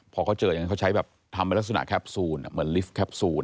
พอเขาเจออย่างนั้นเขาใช้แบบทำเป็นลักษณะแคปซูลเหมือนลิฟต์แคปซูล